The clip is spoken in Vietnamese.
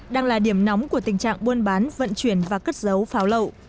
đang là điểm nóng của tình trạng buôn bán vận chuyển và cất dấu pháo lậu